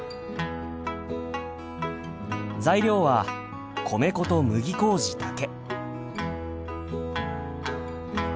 材料は米粉と麦麹だけ。